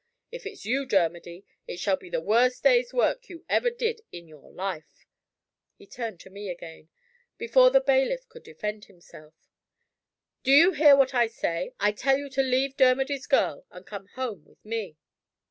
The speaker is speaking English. If it's you, Dermody, it shall be the worst day's work you ever did in your life." He turned to me again, before the bailiff could defend himself. "Do you hear what I say? I tell you to leave Dermody's girl, and come home with me."